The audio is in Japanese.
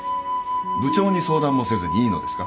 部長に相談もせずにいいのですか？